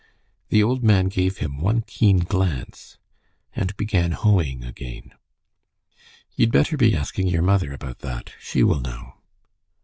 The old man gave him one keen glance, and began hoeing again. "Ye'd better be asking ye're mother about that. She will know."